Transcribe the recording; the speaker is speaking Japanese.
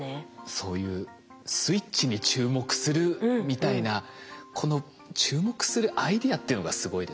そういうスイッチに注目するみたいなこの注目するアイデアっていうのがすごいですね。